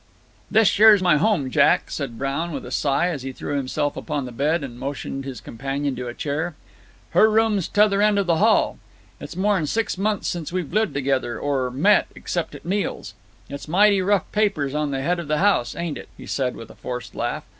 "This yer's my home, Jack," said Brown, with a sigh, as he threw himself upon the bed, and motioned his companion to a chair. "Her room's t'other end of the hall. It's more'n six months since we've lived together, or met, except at meals. It's mighty rough papers on the head of the house, ain't it?" he said, with a forced laugh.